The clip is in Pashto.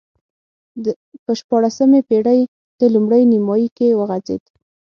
په شپاړسمې پېړۍ په لومړۍ نییمایي کې وغځېد.